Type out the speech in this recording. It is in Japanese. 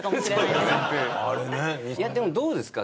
でもどうですか？